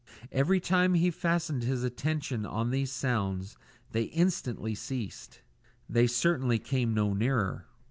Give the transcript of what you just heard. Every time he fastened his attention on these sounds, they instantly ceased. They certainly came no nearer.